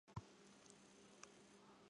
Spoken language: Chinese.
巴彦乃庙位于巴彦淖尔苏木所在地。